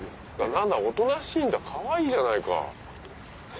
何だおとなしいんだかわいいじゃないか。